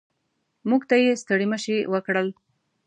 موږ ته یې ستړي مه شي وکړل.